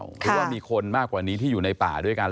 หรือว่ามีคนมากกว่านี้ที่อยู่ในป่าด้วยกัน